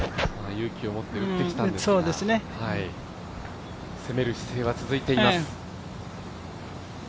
勇気を持って打ってきたんですが攻める姿勢は続いています。